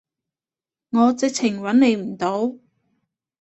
我直情揾你唔到